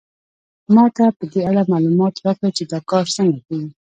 ما ته په دې اړه معلومات راکړئ چې دا کار څنګه کیږي